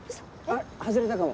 外れたかも。